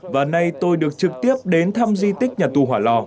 và nay tôi được trực tiếp đến thăm di tích nhà tù hỏa lò